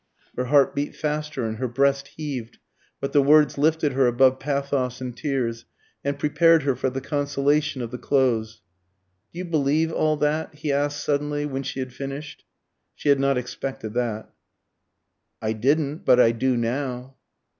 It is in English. Her heart beat faster and her breast heaved, but the words lifted her above pathos and tears, and prepared her for the consolation of the close. "Do you believe all that?" he asked suddenly, when she had finished. She had not expected that. "I didn't, but I do now."